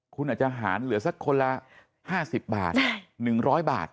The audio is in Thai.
คุณอาจจะหารเหลือสักคนละ๕๐บาท๑๐๐บาท